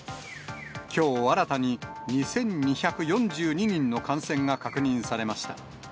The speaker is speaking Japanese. きょう、新たに２２４２人の感染が確認されました。